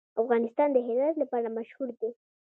افغانستان د هرات لپاره مشهور دی.